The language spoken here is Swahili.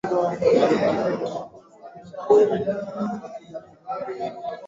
Rais wa Zanzibar na Mwenyekiti wa Baraza la Mapinduzi